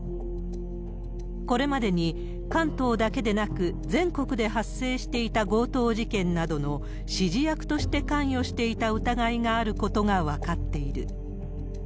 これまでに、関東だけでなく全国で発生していた強盗事件などの指示役として関与していた疑いがあることが分かっている。